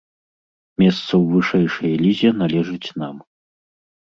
Месца ў вышэйшай лізе належыць нам.